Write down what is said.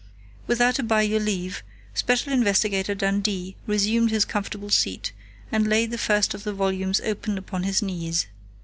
Without a by your leave, Special Investigator Dundee resumed his comfortable seat, and laid the first of the volumes open upon his knees.